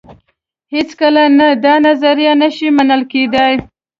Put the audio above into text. هېڅکله نه دا نظریه نه شي منل کېدای.